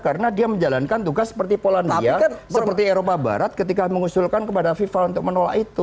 karena dia menjalankan tugas seperti polandia seperti eropa barat ketika mengusulkan kepada fifa untuk menolak itu